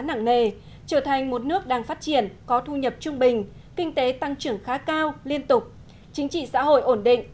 nặng nề trở thành một nước đang phát triển có thu nhập trung bình kinh tế tăng trưởng khá cao liên tục chính trị xã hội ổn định